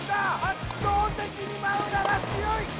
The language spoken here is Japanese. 圧倒的にマウナが強い！